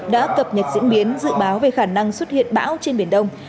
đã cập nhật diễn biến dự báo về khả năng xuất hiện bão trên biển đông